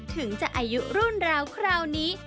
ถึงจะอายุรุ่นราวคราวนี้